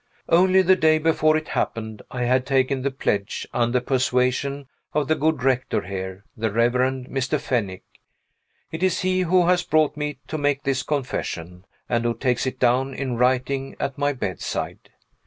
Only the day before it happened I had taken the pledge, under persuasion of the good rector here, the Reverend Mr. Fennick. It is he who has brought me to make this confession, and who takes it down in writing at my bedside.